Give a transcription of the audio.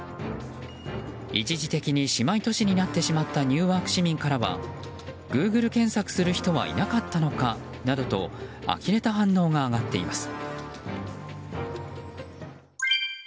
一時的に姉妹都市になってしまったニューアーク市民からはグーグル検索する人はいなかったのかなどとあきれた反応が上がっています。